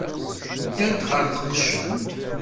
Ddant ɣer teqcelt.